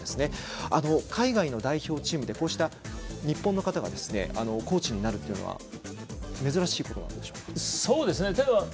海外の代表チームでこうして日本の方がコーチになるっていうのは珍しいことなんでしょうか？